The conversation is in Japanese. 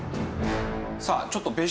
さあちょっと。